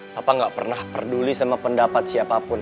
papa gak pernah peduli sama pendapat siapapun